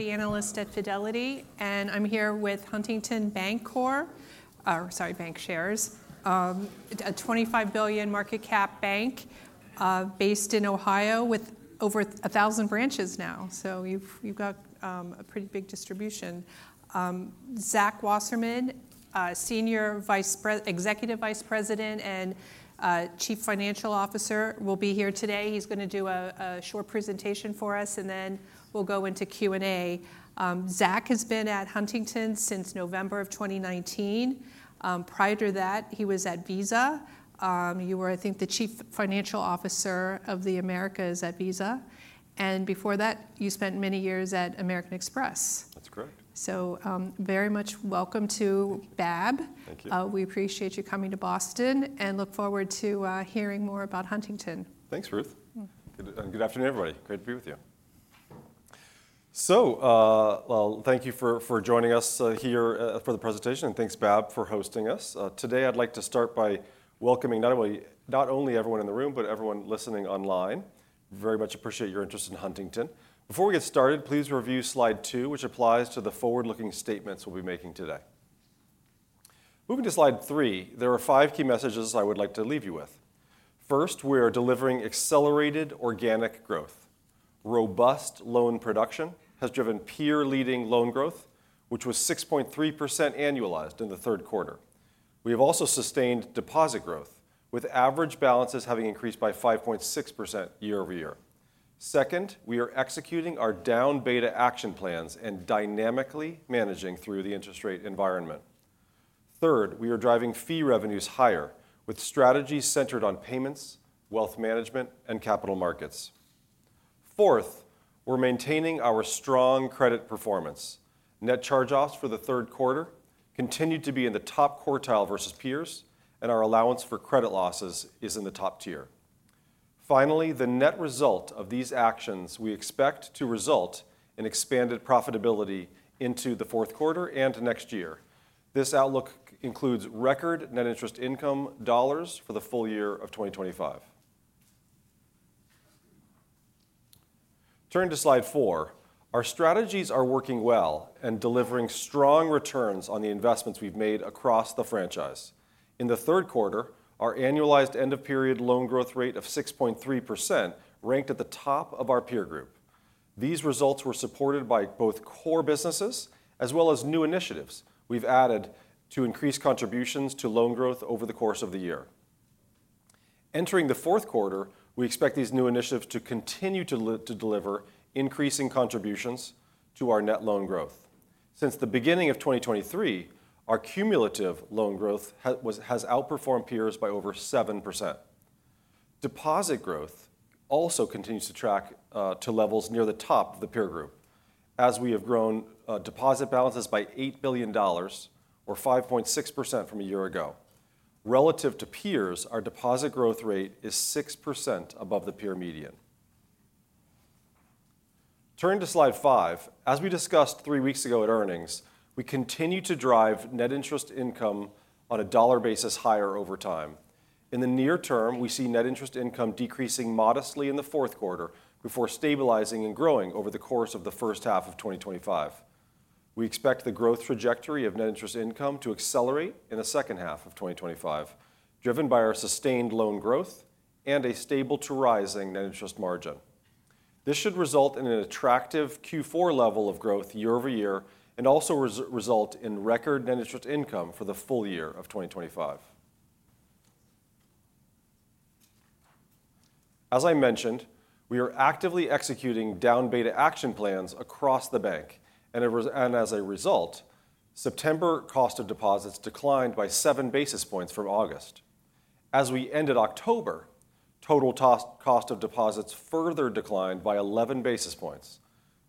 Analyst at Fidelity, and I'm here with Huntington Banker, oh sorry, Bancshares, a $25 billion market cap bank based in Ohio with over 1,000 branches now. So you've got a pretty big distribution. Zach Wasserman, Senior Executive Vice President and Chief Financial Officer, will be here today. He's going to do a short presentation for us, and then we'll go into Q&A. Zach has been at Huntington since November of 2019. Prior to that, he was at Visa. You were, I think, the Chief Financial Officer of the Americas at Visa. And before that, you spent many years at American Express. That's correct. So, very much welcome to BAAB. Thank you. We appreciate you coming to Boston and look forward to hearing more about Huntington. Thanks, Ruth. Good afternoon, everybody. Great to be with you. So thank you for joining us here for the presentation, and thanks BAAB, for hosting us. Today, I'd like to start by welcoming not only everyone in the room, but everyone listening online. Very much appreciate your interest in Huntington. Before we get started, please review slide 2, which applies to the forward-looking statements we'll be making today. Moving to slide 3, there are five key messages I would like to leave you with. First, we are delivering accelerated organic growth. Robust loan production has driven peer-leading loan growth, which was 6.3% annualized in the third quarter. We have also sustained deposit growth, with average balances having increased by 5.6% year over year. Second, we are executing our down beta action plans and dynamically managing through the interest rate environment. Third, we are driving fee revenues higher with strategies centered on payments, wealth management, and capital markets. Fourth, we're maintaining our strong credit performance. Net charge-offs for the third quarter continue to be in the top quartile versus peers, and our allowance for credit losses is in the top tier. Finally, the net result of these actions we expect to result in expanded profitability into the fourth quarter and next year. This outlook includes record net interest income dollars for the full year of 2025. Turning to slide 4, our strategies are working well and delivering strong returns on the investments we've made across the franchise. In the third quarter, our annualized end-of-period loan growth rate of 6.3% ranked at the top of our peer group. These results were supported by both core businesses as well as new initiatives we've added to increase contributions to loan growth over the course of the year. Entering the fourth quarter, we expect these new initiatives to continue to deliver increasing contributions to our net loan growth. Since the beginning of 2023, our cumulative loan growth has outperformed peers by over 7%. Deposit growth also continues to track to levels near the top of the peer group, as we have grown deposit balances by $8 billion, or 5.6% from a year ago. Relative to peers, our deposit growth rate is 6% above the peer median. Turning to slide 5, as we discussed three weeks ago at earnings, we continue to drive net interest income on a dollar basis higher over time. In the near term, we see net interest income decreasing modestly in the fourth quarter before stabilizing and growing over the course of the first half of 2025. We expect the growth trajectory of net interest income to accelerate in the second half of 2025, driven by our sustained loan growth and a stable to rising net interest margin. This should result in an attractive Q4 level of growth year over year and also result in record net interest income for the full year of 2025. As I mentioned, we are actively executing down beta action plans across the bank, and as a result, September cost of deposits declined by seven basis points from August. As we ended October, total cost of deposits further declined by 11 basis points.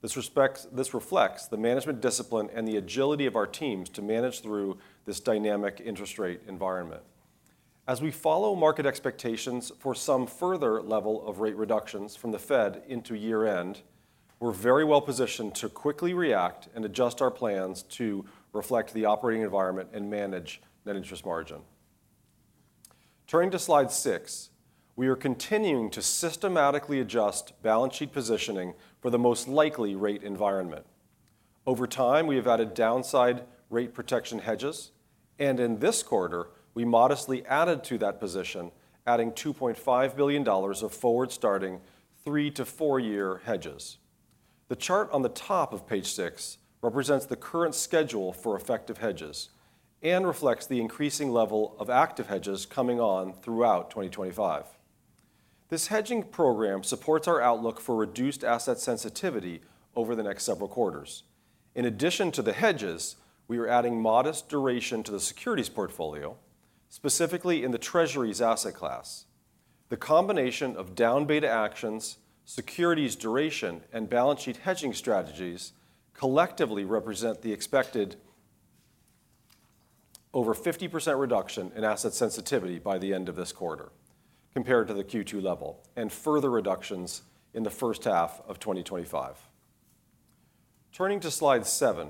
This reflects the management discipline and the agility of our teams to manage through this dynamic interest rate environment. As we follow market expectations for some further level of rate reductions from the Fed into year-end, we're very well positioned to quickly react and adjust our plans to reflect the operating environment and manage net interest margin. Turning to slide 6, we are continuing to systematically adjust balance sheet positioning for the most likely rate environment. Over time, we have added downside rate protection hedges, and in this quarter, we modestly added to that position, adding $2.5 billion of forward-starting three- to four-year hedges. The chart on the top of page 6 represents the current schedule for effective hedges and reflects the increasing level of active hedges coming on throughout 2025. This hedging program supports our outlook for reduced asset sensitivity over the next several quarters. In addition to the hedges, we are adding modest duration to the securities portfolio, specifically in the Treasuries asset class. The combination of down beta actions, securities duration, and balance sheet hedging strategies collectively represent the expected over 50% reduction in asset sensitivity by the end of this quarter compared to the Q2 level and further reductions in the first half of 2025. Turning to slide 7,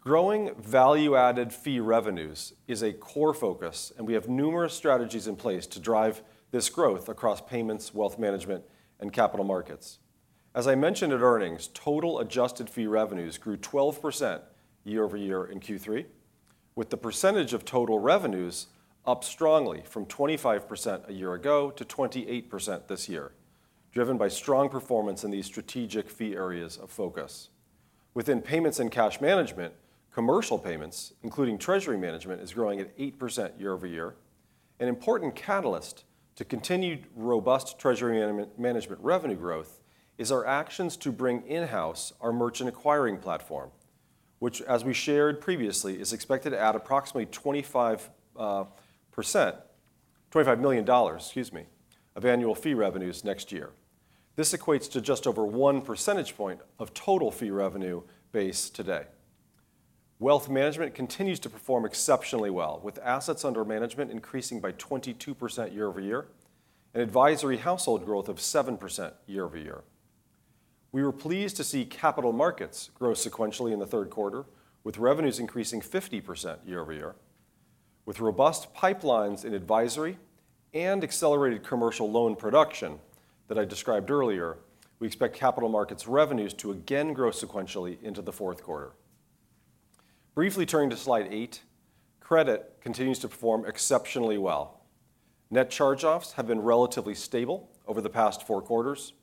growing value-added fee revenues is a core focus, and we have numerous strategies in place to drive this growth across payments, wealth management, and capital markets. As I mentioned at earnings, total adjusted fee revenues grew 12% year over year in Q3, with the percentage of total revenues up strongly from 25% a year ago to 28% this year, driven by strong performance in these strategic fee areas of focus. Within payments and cash management, commercial payments, including treasury management, are growing at 8% year over year. An important catalyst to continued robust treasury management revenue growth is our actions to bring in-house our merchant acquiring platform, which, as we shared previously, is expected to add approximately $25 million of annual fee revenues next year. This equates to just over one percentage point of total fee revenue base today. Wealth management continues to perform exceptionally well, with assets under management increasing by 22% year over year and advisory household growth of 7% year over year. We were pleased to see capital markets grow sequentially in the third quarter, with revenues increasing 50% year over year. With robust pipelines in advisory and accelerated commercial loan production that I described earlier, we expect capital markets revenues to again grow sequentially into the fourth quarter. Briefly turning to slide 8, credit continues to perform exceptionally well. Net charge-offs have been relatively stable over the past four quarters,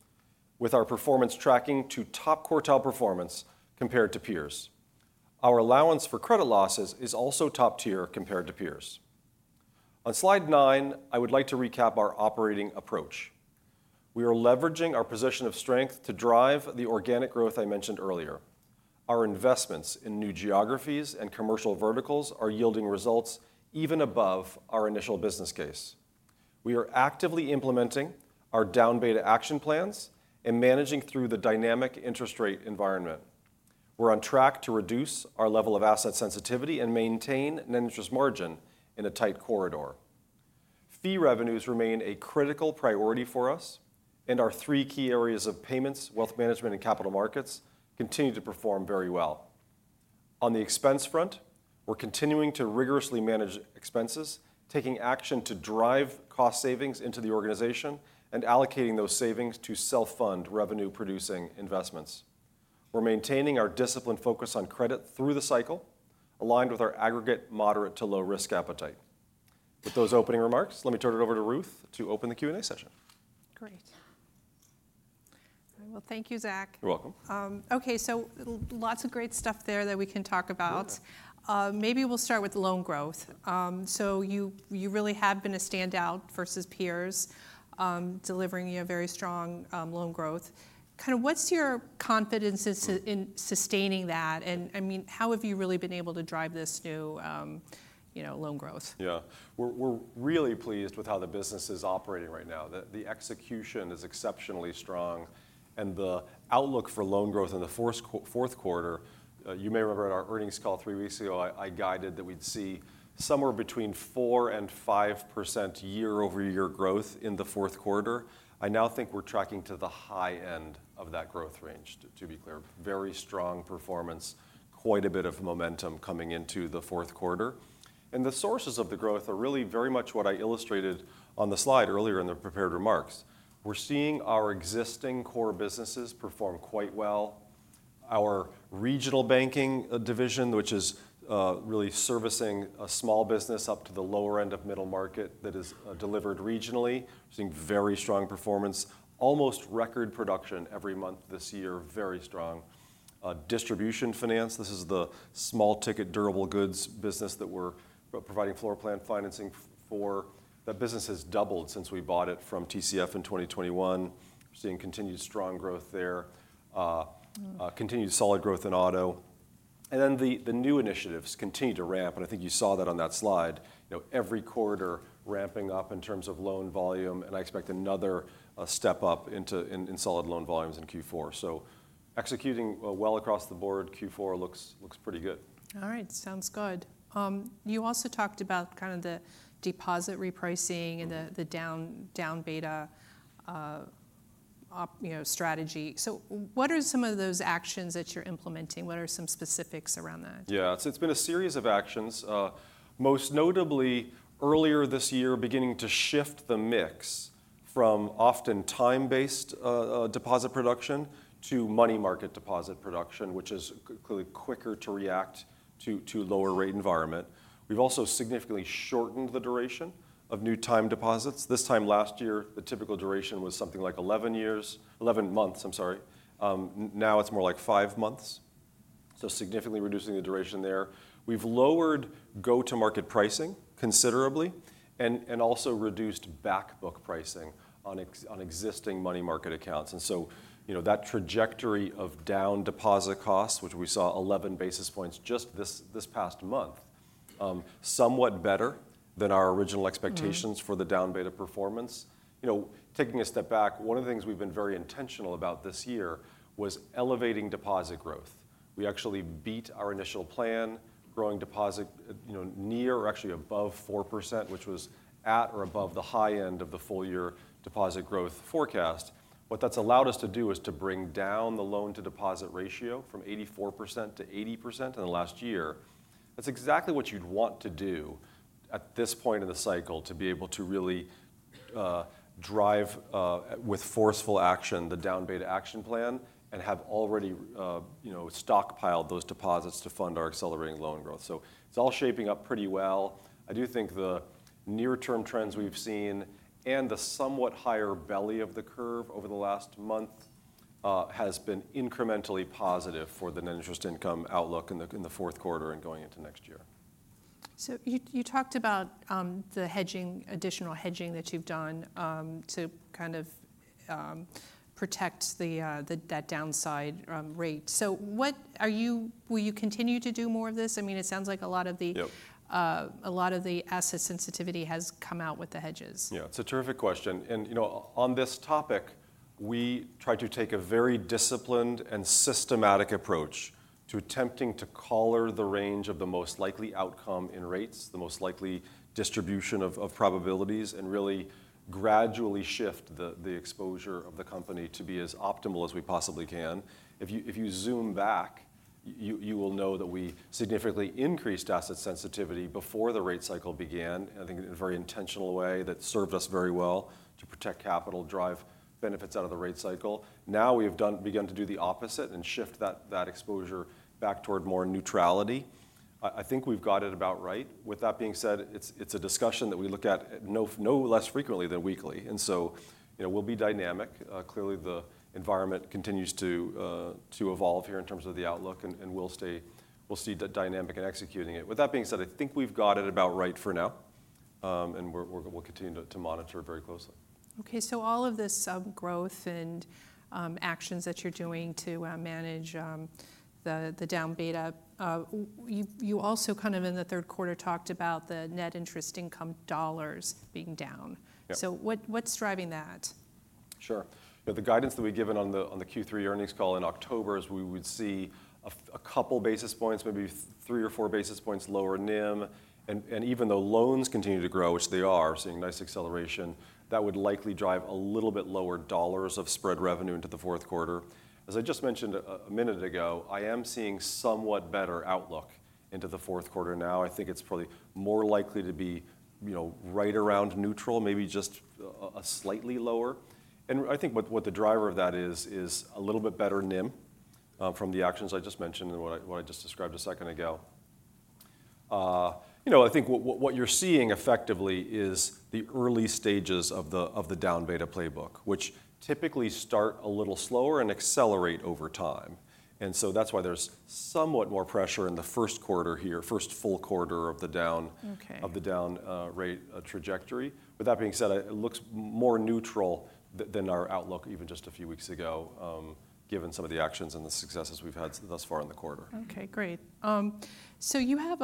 with our performance tracking to top quartile performance compared to peers. Our allowance for credit losses is also top tier compared to peers. On slide 9, I would like to recap our operating approach. We are leveraging our position of strength to drive the organic growth I mentioned earlier. Our investments in new geographies and commercial verticals are yielding results even above our initial business case. We are actively implementing our down beta action plans and managing through the dynamic interest rate environment. We're on track to reduce our level of asset sensitivity and maintain net interest margin in a tight corridor. Fee revenues remain a critical priority for us, and our three key areas of payments, wealth management, and capital markets continue to perform very well. On the expense front, we're continuing to rigorously manage expenses, taking action to drive cost savings into the organization and allocating those savings to self-fund revenue-producing investments. We're maintaining our discipline focus on credit through the cycle, aligned with our aggregate moderate to low-risk appetite. With those opening remarks, let me turn it over to Ruth to open the Q&A session. Great. Well, thank you, Zach. You're welcome. Okay, so lots of great stuff there that we can talk about. Maybe we'll start with loan growth. So you really have been a standout versus peers, delivering a very strong loan growth. Kind of what's your confidence in sustaining that? And I mean, how have you really been able to drive this new loan growth? Yeah, we're really pleased with how the business is operating right now. The execution is exceptionally strong, and the outlook for loan growth in the fourth quarter, you may remember at our earnings call three weeks ago, I guided that we'd see somewhere between 4% and 5% year-over-year growth in the fourth quarter. I now think we're tracking to the high end of that growth range, to be clear. Very strong performance, quite a bit of momentum coming into the fourth quarter. And the sources of the growth are really very much what I illustrated on the slide earlier in the prepared remarks. We're seeing our existing core businesses perform quite well. Our regional banking division, which is really servicing a small business up to the lower end of middle market that is delivered regionally, seeing very strong performance, almost record production every month this year, very strong. Distribution finance, this is the small ticket durable goods business that we're providing floor plan financing for. That business has doubled since we bought it from TCF in 2021. We're seeing continued strong growth there, continued solid growth in auto. And then the new initiatives continue to ramp, and I think you saw that on that slide. Every quarter ramping up in terms of loan volume, and I expect another step up in solid loan volumes in Q4. So executing well across the board, Q4 looks pretty good. All right, sounds good. You also talked about kind of the deposit repricing and the down beta strategy. So what are some of those actions that you're implementing? What are some specifics around that? Yeah, so it's been a series of actions, most notably earlier this year, beginning to shift the mix from time-based deposit production to money market deposit production, which is clearly quicker to react to lower rate environment. We've also significantly shortened the duration of new time deposits. This time last year, the typical duration was something like 11 months. I'm sorry. Now it's more like five months. So significantly reducing the duration there. We've lowered go-to-market pricing considerably and also reduced back book pricing on existing money market accounts. And so that trajectory of down deposit costs, which we saw 11 basis points just this past month, is somewhat better than our original expectations for the down beta performance. Taking a step back, one of the things we've been very intentional about this year was elevating deposit growth. We actually beat our initial plan, growing deposit near or actually above 4%, which was at or above the high end of the full year deposit growth forecast. What that's allowed us to do is to bring down the loan-to-deposit ratio from 84%-80% in the last year. That's exactly what you'd want to do at this point in the cycle to be able to really drive with forceful action the down beta action plan and have already stockpiled those deposits to fund our accelerating loan growth. So it's all shaping up pretty well. I do think the near-term trends we've seen and the somewhat higher belly of the curve over the last month has been incrementally positive for the net interest income outlook in the fourth quarter and going into next year. So you talked about the additional hedging that you've done to kind of protect that downside rate. So will you continue to do more of this? I mean, it sounds like a lot of the asset sensitivity has come out with the hedges. Yeah, it's a terrific question. And on this topic, we try to take a very disciplined and systematic approach to attempting to color the range of the most likely outcome in rates, the most likely distribution of probabilities, and really gradually shift the exposure of the company to be as optimal as we possibly can. If you zoom back, you will know that we significantly increased asset sensitivity before the rate cycle began, I think in a very intentional way that served us very well to protect capital, drive benefits out of the rate cycle. Now we have begun to do the opposite and shift that exposure back toward more neutrality. I think we've got it about right. With that being said, it's a discussion that we look at no less frequently than weekly. And so we'll be dynamic. Clearly, the environment continues to evolve here in terms of the outlook, and we'll see that dynamic in executing it. With that being said, I think we've got it about right for now, and we'll continue to monitor very closely. Okay, so all of this growth and actions that you're doing to manage the down beta, you also kind of in the third quarter talked about the net interest income dollars being down. So what's driving that? Sure. The guidance that we've given on the Q3 earnings call in October is we would see a couple basis points, maybe three or four basis points lower NIM, and even though loans continue to grow, which they are, seeing nice acceleration, that would likely drive a little bit lower dollars of spread revenue into the fourth quarter. As I just mentioned a minute ago, I am seeing somewhat better outlook into the fourth quarter now. I think it's probably more likely to be right around neutral, maybe just a slightly lower. I think what the driver of that is a little bit better NIM from the actions I just mentioned and what I just described a second ago. I think what you're seeing effectively is the early stages of the down beta playbook, which typically start a little slower and accelerate over time. And so that's why there's somewhat more pressure in the first quarter here, first full quarter of the down rate trajectory. With that being said, it looks more neutral than our outlook even just a few weeks ago, given some of the actions and the successes we've had thus far in the quarter. Okay, great. So you have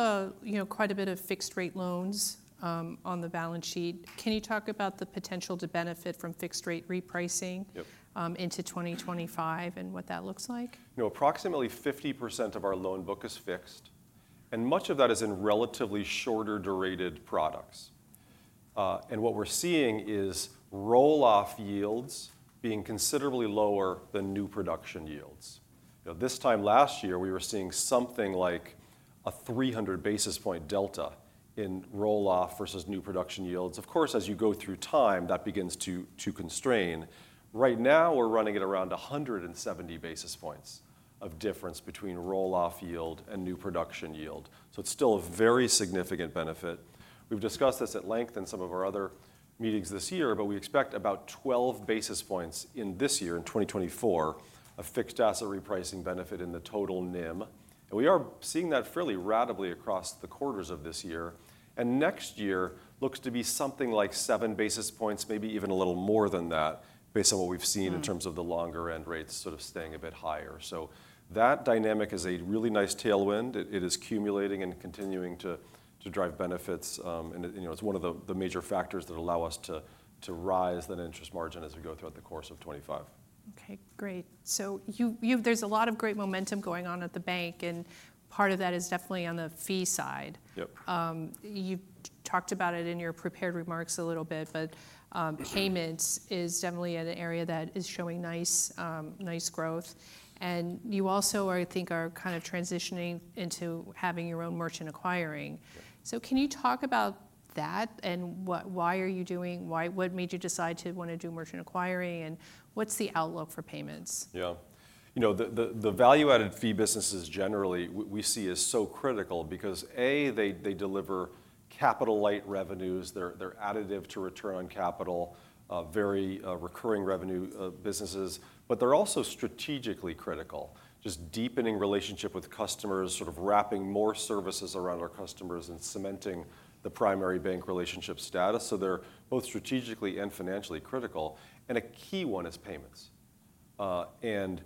quite a bit of fixed rate loans on the balance sheet. Can you talk about the potential to benefit from fixed rate repricing into 2025 and what that looks like? Approximately 50% of our loan book is fixed, and much of that is in relatively shorter duration products. What we're seeing is roll-off yields being considerably lower than new production yields. This time last year, we were seeing something like a 300 basis point delta in roll-off versus new production yields. Of course, as you go through time, that begins to constrain. Right now, we're running at around 170 basis points of difference between roll-off yield and new production yield. So it's still a very significant benefit. We've discussed this at length in some of our other meetings this year, but we expect about 12 basis points in this year, in 2024, of fixed asset repricing benefit in the total NIM. We are seeing that fairly radically across the quarters of this year. Next year looks to be something like seven basis points, maybe even a little more than that, based on what we've seen in terms of the longer end rates sort of staying a bit higher. That dynamic is a really nice tailwind. It is accumulating and continuing to drive benefits. It's one of the major factors that allow us to rise that interest margin as we go throughout the course of 2025. Okay, great. So there's a lot of great momentum going on at the bank, and part of that is definitely on the fee side. You talked about it in your prepared remarks a little bit, but payments is definitely an area that is showing nice growth. And you also, I think, are kind of transitioning into having your own merchant acquiring. So can you talk about that and why are you doing what made you decide to want to do merchant acquiring and what's the outlook for payments? Yeah. The value-added fee businesses generally, we see as so critical because, A, they deliver capital-light revenues. They're additive to return on capital, very recurring revenue businesses, but they're also strategically critical, just deepening relationship with customers, sort of wrapping more services around our customers and cementing the primary bank relationship status. So they're both strategically and financially critical. And a key one is payments. And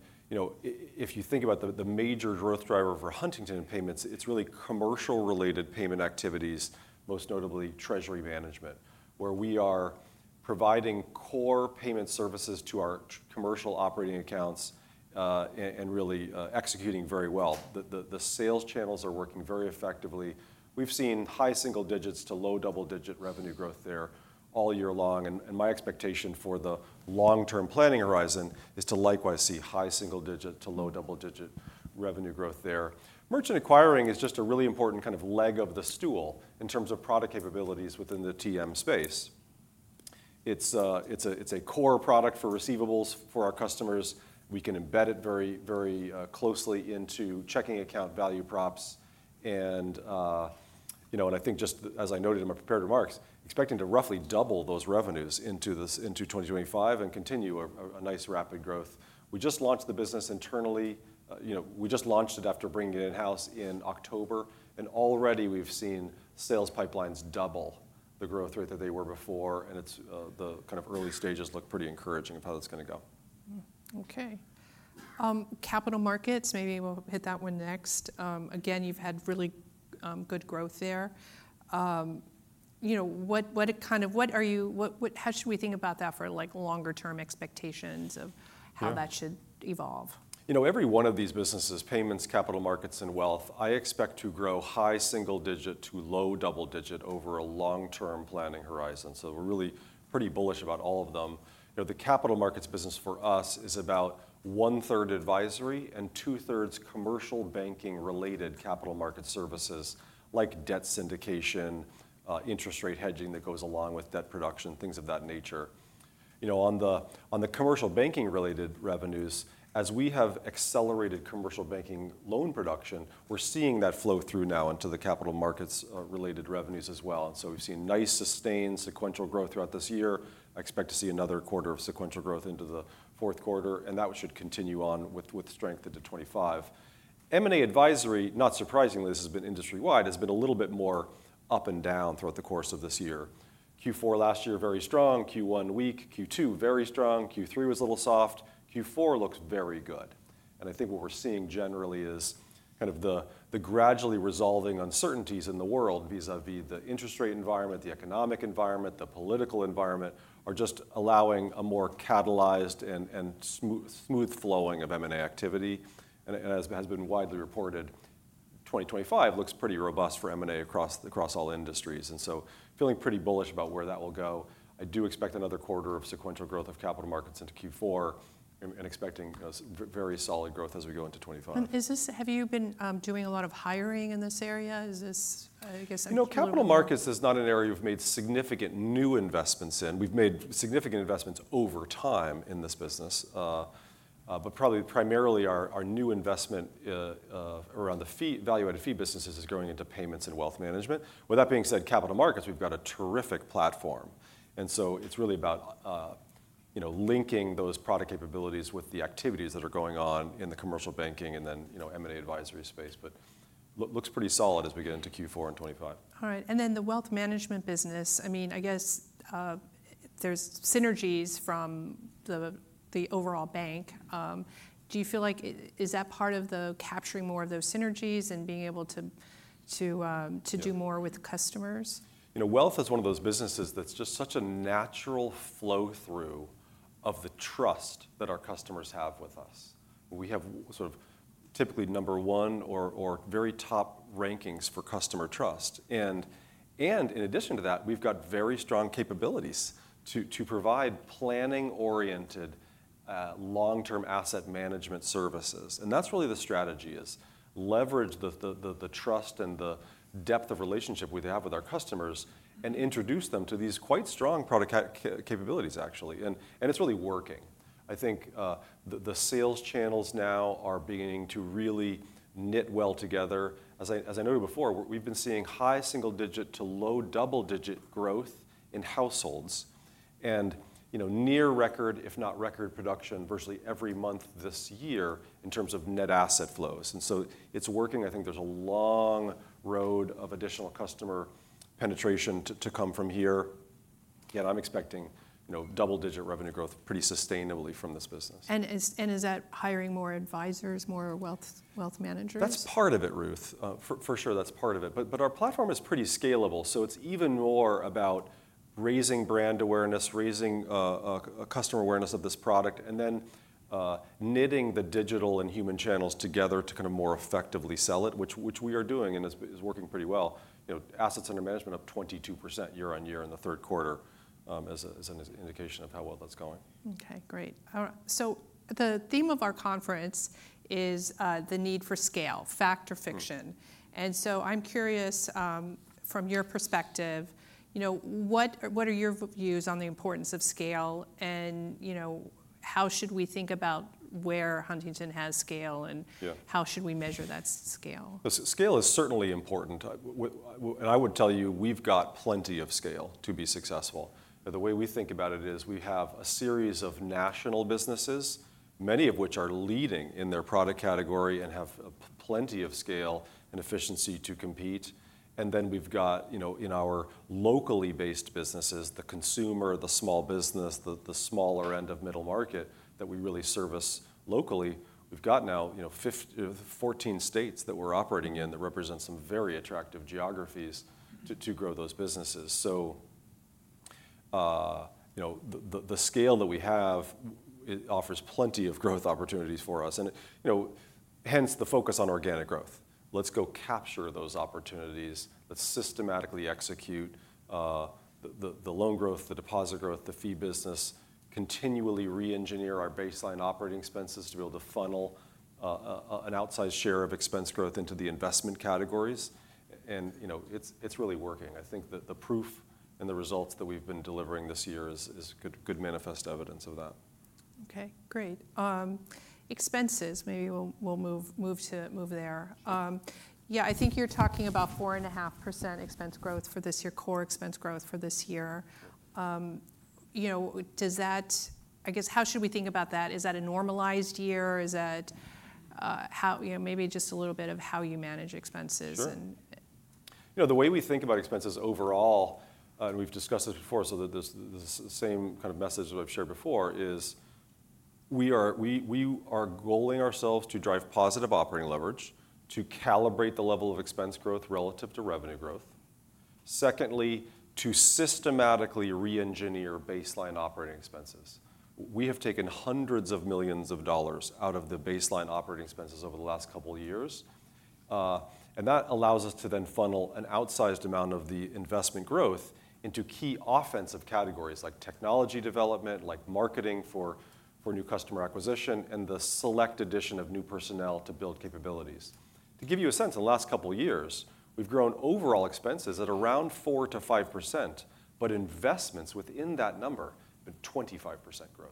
if you think about the major growth driver for Huntington and payments, it's really commercial-related payment activities, most notably treasury management, where we are providing core payment services to our commercial operating accounts and really executing very well. The sales channels are working very effectively. We've seen high single digits to low double digit revenue growth there all year long. And my expectation for the long-term planning horizon is to likewise see high single digit to low double digit revenue growth there. Merchant acquiring is just a really important kind of leg of the stool in terms of product capabilities within the TM space. It's a core product for receivables for our customers. We can embed it very closely into checking account value props. And I think just as I noted in my prepared remarks, expecting to roughly double those revenues into 2025 and continue a nice rapid growth. We just launched the business internally. We just launched it after bringing it in-house in October. And already we've seen sales pipelines double the growth rate that they were before. And the kind of early stages look pretty encouraging of how that's going to go. Okay. Capital markets, maybe we'll hit that one next. Again, you've had really good growth there. How should we think about that for longer-term expectations of how that should evolve? Every one of these businesses, payments, capital markets, and wealth, I expect to grow high single digit to low double digit over a long-term planning horizon. So we're really pretty bullish about all of them. The capital markets business for us is about one-third advisory and two-thirds commercial banking-related capital market services like debt syndication, interest rate hedging that goes along with debt production, things of that nature. On the commercial banking-related revenues, as we have accelerated commercial banking loan production, we're seeing that flow through now into the capital markets-related revenues as well. And so we've seen nice sustained sequential growth throughout this year. I expect to see another quarter of sequential growth into the fourth quarter, and that should continue on with strength into 2025. M&A advisory, not surprisingly, this has been industry-wide, has been a little bit more up and down throughout the course of this year. Q4 last year, very strong. Q1 weak. Q2 very strong. Q3 was a little soft. Q4 looks very good, and I think what we're seeing generally is kind of the gradually resolving uncertainties in the world vis-à-vis the interest rate environment, the economic environment, the political environment are just allowing a more catalyzed and smooth flowing of M&A activity, and as has been widely reported, 2025 looks pretty robust for M&A across all industries, and so feeling pretty bullish about where that will go. I do expect another quarter of sequential growth of capital markets into Q4 and expecting very solid growth as we go into 2025. Have you been doing a lot of hiring in this area? Capital markets is not an area we've made significant new investments in. We've made significant investments over time in this business, but probably primarily our new investment around the value-added fee businesses is going into payments and wealth management. With that being said, capital markets, we've got a terrific platform. And so it's really about linking those product capabilities with the activities that are going on in the commercial banking and then M&A advisory space, but looks pretty solid as we get into Q4 and 2025. All right. And then the wealth management business, I mean, I guess there's synergies from the overall bank. Do you feel like is that part of the capturing more of those synergies and being able to do more with customers? Wealth is one of those businesses that's just such a natural flow-through of the trust that our customers have with us. We have sort of typically number one or very top rankings for customer trust. And in addition to that, we've got very strong capabilities to provide planning-oriented long-term asset management services. And that's really the strategy is leverage the trust and the depth of relationship we have with our customers and introduce them to these quite strong product capabilities, actually. And it's really working. I think the sales channels now are beginning to really knit well together. As I noted before, we've been seeing high single digit to low double digit growth in households and near record, if not record production, virtually every month this year in terms of net asset flows. And so it's working. I think there's a long road of additional customer penetration to come from here. Again, I'm expecting double digit revenue growth pretty sustainably from this business. Is that hiring more advisors, more wealth managers? That's part of it, Ruth. For sure, that's part of it. But our platform is pretty scalable. So it's even more about raising brand awareness, raising customer awareness of this product, and then knitting the digital and human channels together to kind of more effectively sell it, which we are doing and is working pretty well. Assets under management up 22% year on year in the third quarter as an indication of how well that's going. Okay, great. So the theme of our conference is the need for scale, fact or fiction. And so I'm curious from your perspective, what are your views on the importance of scale and how should we think about where Huntington has scale and how should we measure that scale? Scale is certainly important, and I would tell you we've got plenty of scale to be successful. The way we think about it is we have a series of national businesses, many of which are leading in their product category and have plenty of scale and efficiency to compete, and then we've got in our locally based businesses, the consumer, the small business, the smaller end of middle market that we really service locally. We've got now 14 states that we're operating in that represent some very attractive geographies to grow those businesses, so the scale that we have offers plenty of growth opportunities for us, and hence the focus on organic growth. Let's go capture those opportunities. Let's systematically execute the loan growth, the deposit growth, the fee business, continually re-engineer our baseline operating expenses to be able to funnel an outsized share of expense growth into the investment categories, and it's really working. I think the proof and the results that we've been delivering this year is good manifest evidence of that. Okay, great. Expenses, maybe we'll move there. Yeah, I think you're talking about 4.5% expense growth for this year, core expense growth for this year. I guess how should we think about that? Is that a normalized year? Is that maybe just a little bit of how you manage expenses? The way we think about expenses overall, and we've discussed this before, so that this is the same kind of message that I've shared before, is we are goaling ourselves to drive positive operating leverage, to calibrate the level of expense growth relative to revenue growth. Secondly, to systematically re-engineer baseline operating expenses. We have taken hundreds of millions of dollars out of the baseline operating expenses over the last couple of years, and that allows us to then funnel an outsized amount of the investment growth into key offensive categories like technology development, like marketing for new customer acquisition, and the select addition of new personnel to build capabilities. To give you a sense, in the last couple of years, we've grown overall expenses at around 4%-5%, but investments within that number have been 25% growth.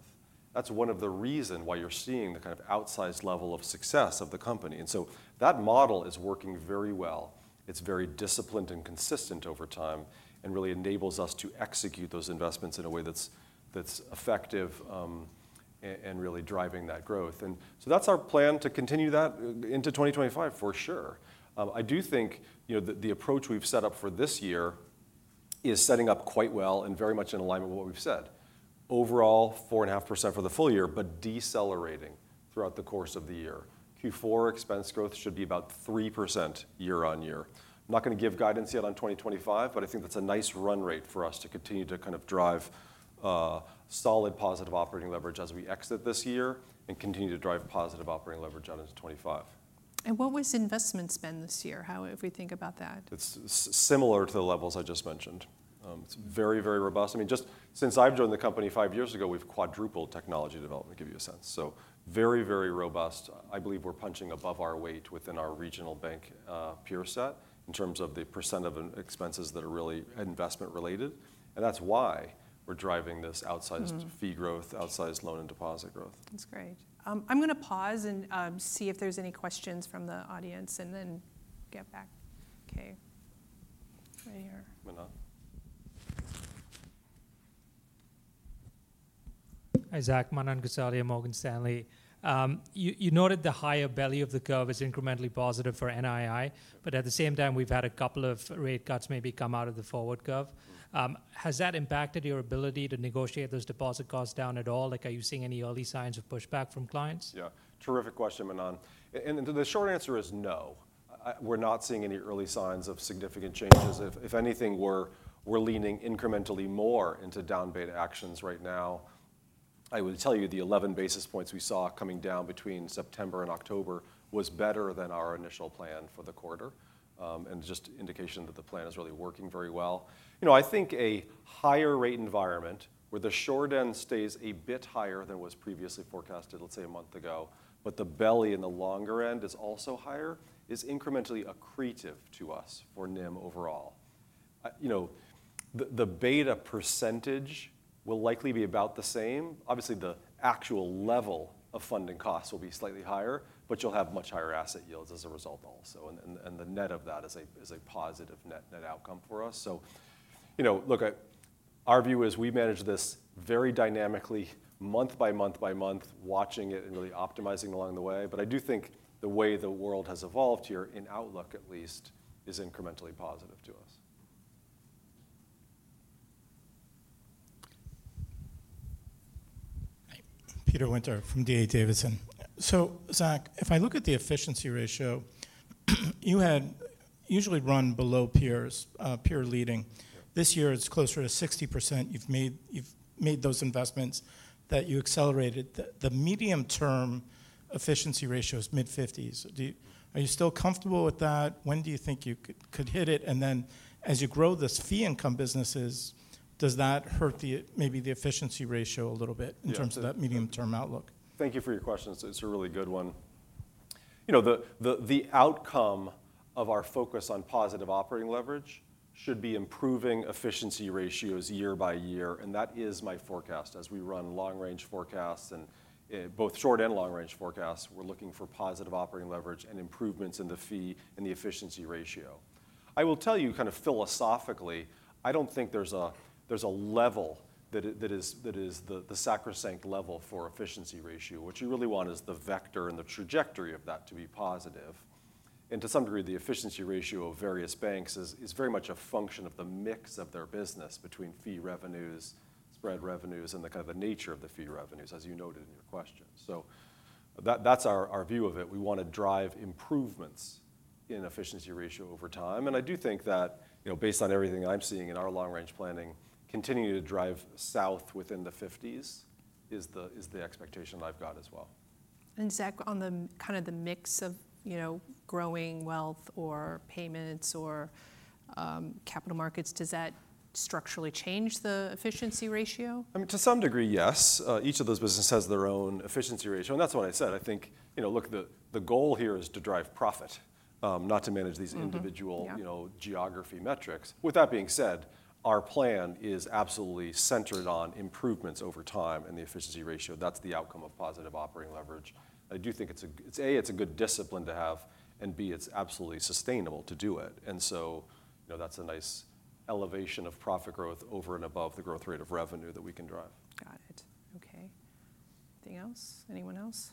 That's one of the reasons why you're seeing the kind of outsized level of success of the company. And so that model is working very well. It's very disciplined and consistent over time and really enables us to execute those investments in a way that's effective and really driving that growth. And so that's our plan to continue that into 2025, for sure. I do think the approach we've set up for this year is setting up quite well and very much in alignment with what we've said. Overall, 4.5% for the full year, but decelerating throughout the course of the year. Q4 expense growth should be about 3% year on year. I'm not going to give guidance yet on 2025, but I think that's a nice run rate for us to continue to kind of drive solid positive operating leverage as we exit this year and continue to drive positive operating leverage out into 2025. What was investment spend this year? How if we think about that? It's similar to the levels I just mentioned. It's very, very robust. I mean, just since I've joined the company five years ago, we've quadrupled technology development, to give you a sense, so very, very robust. I believe we're punching above our weight within our regional bank peer set in terms of the percent of expenses that are really investment related, and that's why we're driving this outsized fee growth, outsized loan and deposit growth. That's great. I'm going to pause and see if there's any questions from the audience and then get back. Okay. Right here. Hi, Zach. Manan Gosalia, Morgan Stanley. You noted the higher belly of the curve is incrementally positive for NII, but at the same time, we've had a couple of rate cuts maybe come out of the forward curve. Has that impacted your ability to negotiate those deposit costs down at all? Are you seeing any early signs of pushback from clients? Yeah. Terrific question, Manan. And the short answer is no. We're not seeing any early signs of significant changes. If anything, we're leaning incrementally more into down beta actions right now. I would tell you the 11 basis points we saw coming down between September and October was better than our initial plan for the quarter and just an indication that the plan is really working very well. I think a higher rate environment where the short end stays a bit higher than it was previously forecasted, let's say a month ago, but the belly in the longer end is also higher is incrementally accretive to us for NIM overall. The beta percentage will likely be about the same. Obviously, the actual level of funding costs will be slightly higher, but you'll have much higher asset yields as a result also. And the net of that is a positive net outcome for us. So look, our view is we manage this very dynamically month by month by month, watching it and really optimizing along the way. But I do think the way the world has evolved here in outlook at least is incrementally positive to us. Peter Winter from D.A. Davidson. So, Zach, if I look at the efficiency ratio, you had usually run below peers, peer leading. This year it's closer to 60%. You've made those investments that you accelerated. The medium-term efficiency ratio is mid-50s. Are you still comfortable with that? When do you think you could hit it? And then as you grow this fee income businesses, does that hurt maybe the efficiency ratio a little bit in terms of that medium-term outlook? Thank you for your question. It's a really good one. The outcome of our focus on positive operating leverage should be improving efficiency ratios year by year. And that is my forecast. As we run long range forecasts and both short and long range forecasts, we're looking for positive operating leverage and improvements in the fee and the efficiency ratio. I will tell you kind of philosophically, I don't think there's a level that is the sacrosanct level for efficiency ratio. What you really want is the vector and the trajectory of that to be positive. And to some degree, the efficiency ratio of various banks is very much a function of the mix of their business between fee revenues, spread revenues, and the kind of the nature of the fee revenues, as you noted in your question. So that's our view of it. We want to drive improvements in efficiency ratio over time. And I do think that based on everything I'm seeing in our long range planning, continuing to drive south within the 50s is the expectation I've got as well. Zach, on the kind of mix of growing wealth or payments or capital markets, does that structurally change the efficiency ratio? I mean, to some degree, yes. Each of those businesses has their own efficiency ratio, and that's what I said. I think, look, the goal here is to drive profit, not to manage these individual geography metrics. With that being said, our plan is absolutely centered on improvements over time and the efficiency ratio. That's the outcome of positive operating leverage. I do think it's A, it's a good discipline to have, and B, it's absolutely sustainable to do it, and so that's a nice elevation of profit growth over and above the growth rate of revenue that we can drive. Got it. Okay. Anything else? Anyone else?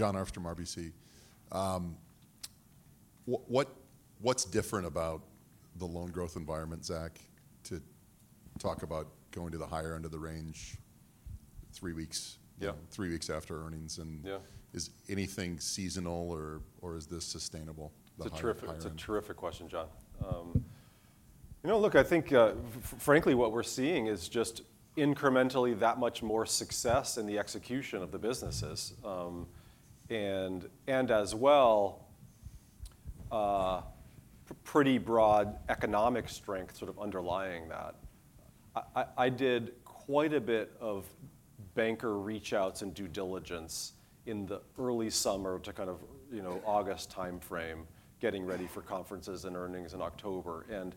Jon Arfstrom, RBC. What's different about the loan growth environment, Zach, to talk about going to the higher end of the range three weeks after earnings? And is anything seasonal or is this sustainable? It's a terrific question, Jon. Look, I think frankly what we're seeing is just incrementally that much more success in the execution of the businesses and as well pretty broad economic strength sort of underlying that. I did quite a bit of banker reach outs and due diligence in the early summer to kind of August timeframe, getting ready for conferences and earnings in October. And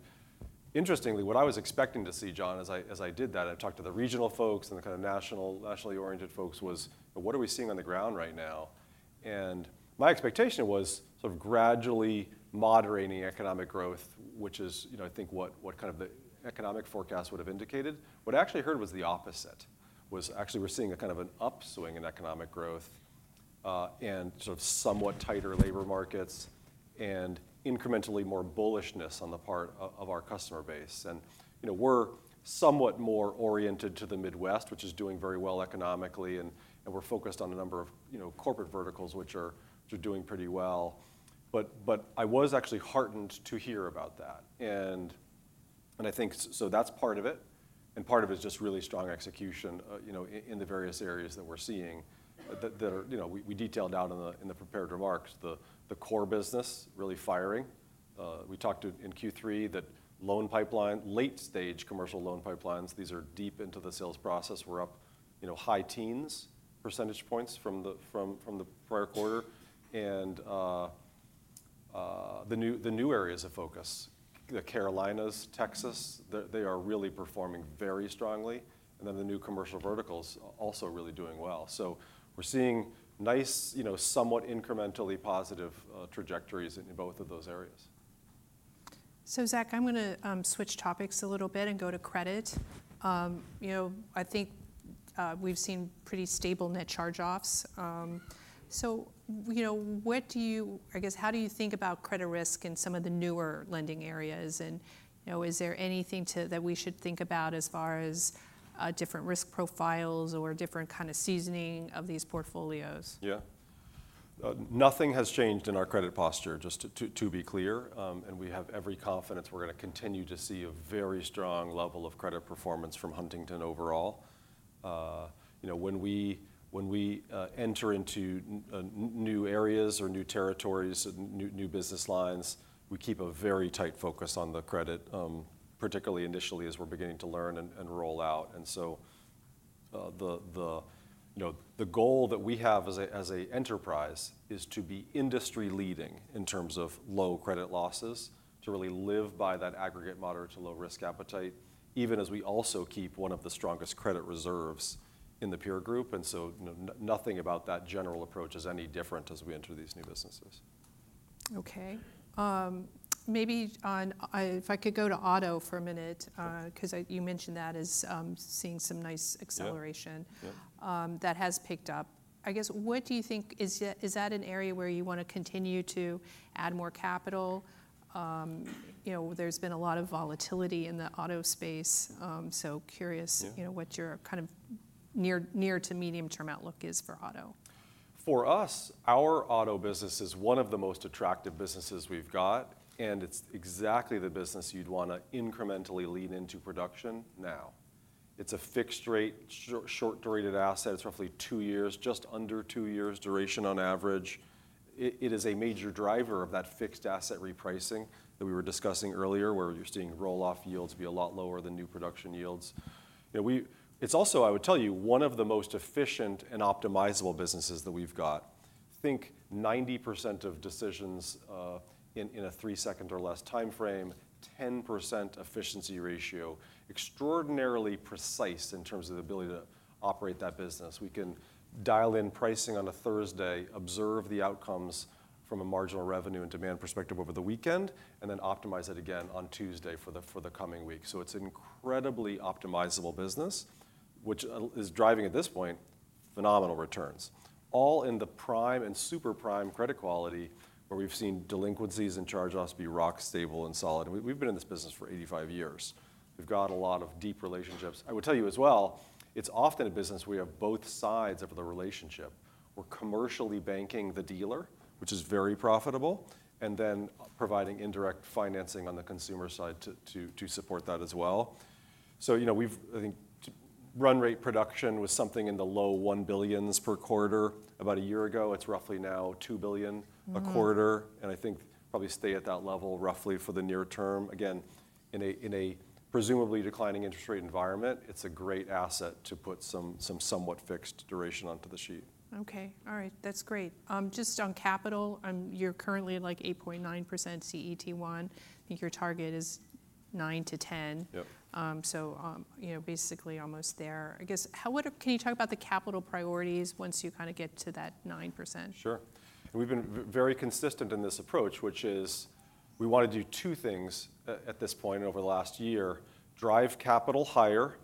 interestingly, what I was expecting to see, Jon, as I did that, I talked to the regional folks and the kind of nationally oriented folks was, what are we seeing on the ground right now? And my expectation was sort of gradually moderating economic growth, which is I think what kind of the economic forecast would have indicated. What I actually heard was the opposite, was actually we're seeing a kind of an upswing in economic growth and sort of somewhat tighter labor markets and incrementally more bullishness on the part of our customer base, and we're somewhat more oriented to the Midwest, which is doing very well economically, and we're focused on a number of corporate verticals, which are doing pretty well, but I was actually heartened to hear about that, and I think so that's part of it, and part of it is just really strong execution in the various areas that we're seeing that we detailed out in the prepared remarks, the core business really firing. We talked in Q3 that loan pipeline, late stage commercial loan pipelines, these are deep into the sales process. We're up high teens percentage points from the prior quarter. And the new areas of focus, the Carolinas, Texas, they are really performing very strongly. And then the new commercial verticals also really doing well. So we're seeing nice, somewhat incrementally positive trajectories in both of those areas. So, Zach, I'm going to switch topics a little bit and go to credit. I think we've seen pretty stable net charge-offs. So what do you, I guess, how do you think about credit risk in some of the newer lending areas? And is there anything that we should think about as far as different risk profiles or different kind of seasoning of these portfolios? Yeah. Nothing has changed in our credit posture, just to be clear. And we have every confidence we're going to continue to see a very strong level of credit performance from Huntington overall. When we enter into new areas or new territories and new business lines, we keep a very tight focus on the credit, particularly initially as we're beginning to learn and roll out. And so the goal that we have as an enterprise is to be industry leading in terms of low credit losses to really live by that aggregate moderate to low risk appetite, even as we also keep one of the strongest credit reserves in the peer group. And so nothing about that general approach is any different as we enter these new businesses. Okay. Maybe if I could go to auto for a minute because you mentioned that as seeing some nice acceleration that has picked up. I guess what do you think, is that an area where you want to continue to add more capital? There's been a lot of volatility in the auto space. So curious what your kind of near to medium term outlook is for auto. For us, our auto business is one of the most attractive businesses we've got. And it's exactly the business you'd want to incrementally lean into production now. It's a fixed rate, short-duration asset. It's roughly two years, just under two years duration on average. It is a major driver of that fixed asset repricing that we were discussing earlier where you're seeing roll-off yields be a lot lower than new production yields. It's also, I would tell you, one of the most efficient and optimizable businesses that we've got. Think 90% of decisions in a three-second or less timeframe, 10% efficiency ratio, extraordinarily precise in terms of the ability to operate that business. We can dial in pricing on a Thursday, observe the outcomes from a marginal revenue and demand perspective over the weekend, and then optimize it again on Tuesday for the coming week. So it's an incredibly optimizable business, which is driving at this point phenomenal returns, all in the prime and super prime credit quality where we've seen delinquencies and charge-offs be rock stable and solid. And we've been in this business for 85 years. We've got a lot of deep relationships. I would tell you as well, it's often a business where we have both sides of the relationship. We're commercial banking the dealer, which is very profitable, and then providing indirect financing on the consumer side to support that as well. So I think run rate production was something in the low $1 billion per quarter about a year ago. It's roughly now $2 billion a quarter. And I think probably stay at that level roughly for the near term. Again, in a presumably declining interest rate environment, it's a great asset to put some somewhat fixed duration onto the sheet. Okay. All right. That's great. Just on capital, you're currently like 8.9% CET1. I think your target is 9%-10%. So basically almost there. I guess can you talk about the capital priorities once you kind of get to that 9%? Sure. And we've been very consistent in this approach, which is we want to do two things at this point over the last year, drive capital higher,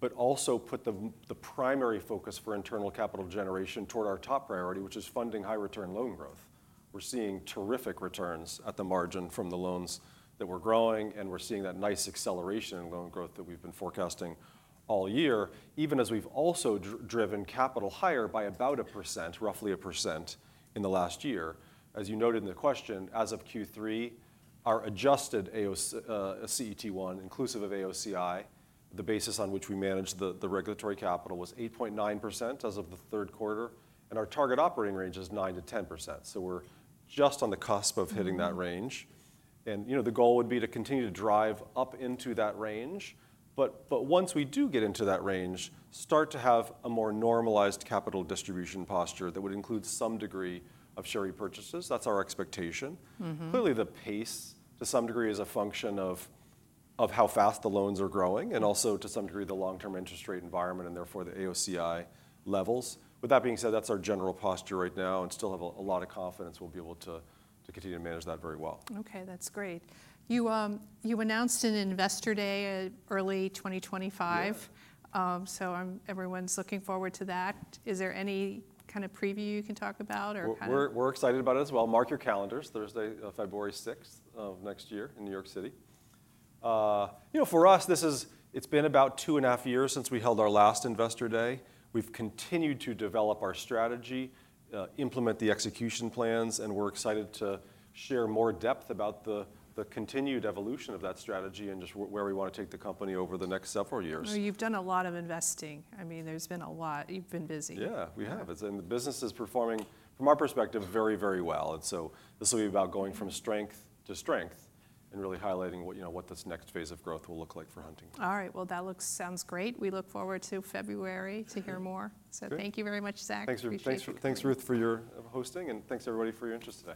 but also put the primary focus for internal capital generation toward our top priority, which is funding high return loan growth. We're seeing terrific returns at the margin from the loans that we're growing. And we're seeing that nice acceleration in loan growth that we've been forecasting all year, even as we've also driven capital higher by about a percent, roughly a percent in the last year. As you noted in the question, as of Q3, our adjusted CET1, inclusive of AOCI, the basis on which we manage the regulatory capital was 8.9% as of the third quarter. And our target operating range is 9%-10%. So we're just on the cusp of hitting that range. And the goal would be to continue to drive up into that range. But once we do get into that range, start to have a more normalized capital distribution posture that would include some degree of share purchases. That's our expectation. Clearly, the pace to some degree is a function of how fast the loans are growing and also to some degree the long-term interest rate environment and therefore the AOCI levels. With that being said, that's our general posture right now and still have a lot of confidence we'll be able to continue to manage that very well. Okay. That's great. You announced an Investor Day early 2025. So everyone's looking forward to that. Is there any kind of preview you can talk about or kind of? We're excited about it as well. Mark your calendars, Thursday, February 6th of next year in New York City. For us, it's been about two and a half years since we held our last investor day. We've continued to develop our strategy, implement the execution plans, and we're excited to share more depth about the continued evolution of that strategy and just where we want to take the company over the next several years. You've done a lot of investing. I mean, there's been a lot. You've been busy. Yeah, we have. And the business is performing from our perspective very, very well. And so this will be about going from strength to strength and really highlighting what this next phase of growth will look like for Huntington. All right. Well, that sounds great. We look forward to February to hear more. So thank you very much, Zach. Thanks, Ruth, for your hosting, and thanks everybody for your interest today.